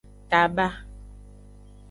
Taba.